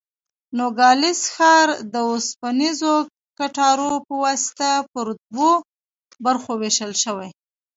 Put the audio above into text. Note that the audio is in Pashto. نوګالس ښار د اوسپنیزو کټارو په واسطه پر دوو برخو وېشل شوی.